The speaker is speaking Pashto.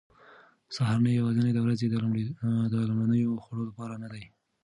سهارنۍ یوازې د ورځې د لومړنیو خوړو لپاره نه ده.